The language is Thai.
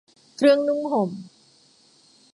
เครื่องนุ่งห่ม